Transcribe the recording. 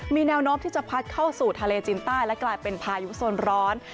มีแนวโน้มที่จะพัดเข้าสู่ทะเลจีนใต้และกลายเป็นพายุโซนร้อน